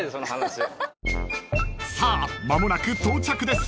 ［さあ間もなく到着です］